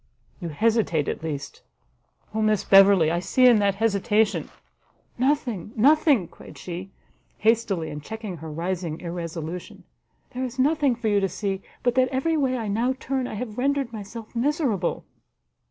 You hesitate at least, O Miss Beverley! I see in that hesitation " "Nothing, nothing!" cried she, hastily, and checking her rising irresolution; "there is nothing for you to see, but that every way I now turn I have rendered myself miserable!"